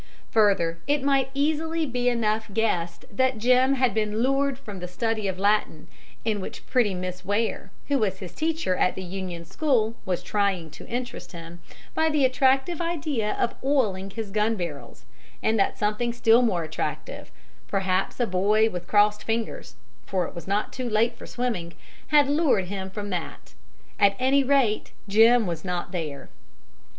Further, it might be easily enough guessed that Jim had been lured from the study of Latin, in which pretty Miss Ware, who was his teacher at the "Union" school, was trying to interest him, by the attractive idea of oiling his gun barrels, and that something still more attractive perhaps a boy with crossed fingers, for it was not too late for swimming had lured him from that. At any rate, Jim was not there.